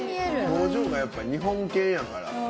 表情がやっぱ日本犬やから。